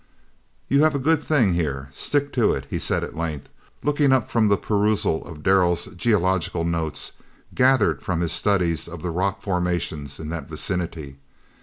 "You have a good thing here; stick to it!" he said at length, looking up from the perusal of Darrell's geological notes, gathered from his studies of the rock formations in that vicinity.